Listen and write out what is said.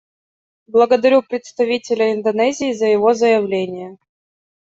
Благодарю представителя Индонезии за его заявление.